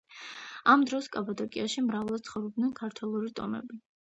ამ დროს კაბადოკიაში მრავლად ცხოვრობდნენ ქართველური ტომები.